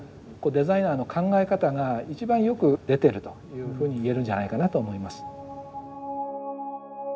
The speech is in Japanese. デザイナーの考え方が一番よく出てるというふうに言えるんじゃないかなと思います。